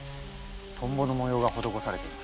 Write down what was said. トンボの模様が施されています。